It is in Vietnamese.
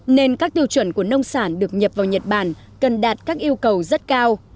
nên các tiêu chuẩn của nông sản được nhập vào nhật bản cần đạt các yêu cầu rất cao